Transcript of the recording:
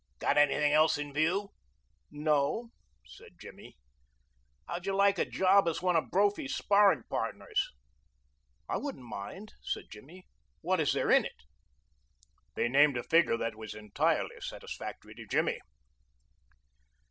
"Got anything else in view?" "No," said Jimmy. "How'd you like a job as one of Brophy's sparring partners?" "I wouldn't mind," said Jimmy. "What is there in it?" They named a figure that was entirely satisfactory to Jimmy.